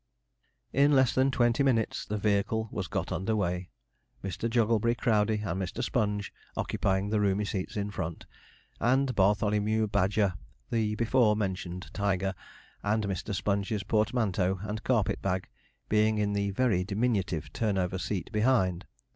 In less than twenty minutes, the vehicle was got under way, Mr. Jogglebury Crowdey and Mr. Sponge occupying the roomy seats in front, and Bartholomew Badger, the before mentioned tiger, and Mr. Sponge's portmanteau and carpet bag, being in the very diminutive turnover seat behind.